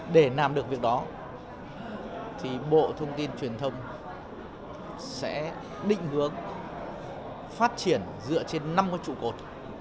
để làm được việc đó thì bộ thông tin truyền thông sẽ định hướng phát triển dựa trên năm trụ cột